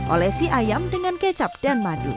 olesi ayam dengan kecap dan madu